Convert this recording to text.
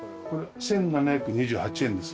１，７２８円です。